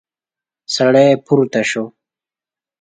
سړی پورته شو.